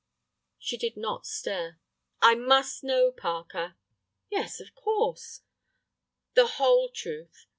She did not stir. "I must know, Parker." "Yes, of course." "The whole truth.